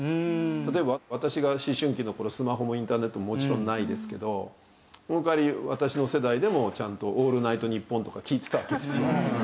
例えば私が思春期の頃スマホもインターネットももちろんないですけどその代わり私の世代でもちゃんと『オールナイトニッポン』とか聴いてたわけですよ若者は。